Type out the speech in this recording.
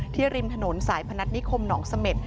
ที่ริมถนนสายพนัตรนิคมนสมสเมฆ